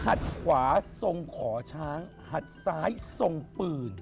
หัดขวาทรงข่อช้างหัดซ้ายทรงเปลือน